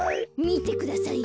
みてください。